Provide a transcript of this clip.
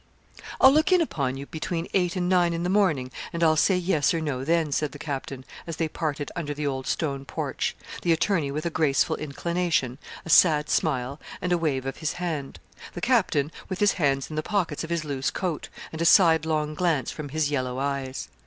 'I'll look in upon you between eight and nine in the morning, and I'll say yes or no then,' said the captain, as they parted under the old stone porch, the attorney with a graceful inclination, a sad smile, and a wave of his hand the captain with his hands in the pockets of his loose coat, and a sidelong glance from his yellow eyes.